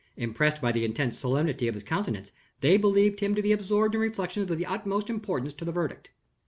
Impressed by the intense solemnity of his countenance, they believed him to be absorbed in reflections of the utmost importance to the verdict.